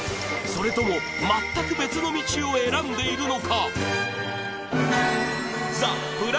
それとも全く別の道を選んでいるのか？